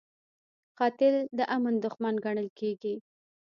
قاتل د امن دښمن ګڼل کېږي